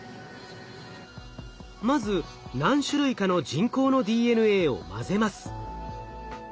まず何種類かの人工のＤＮＡを混ぜます。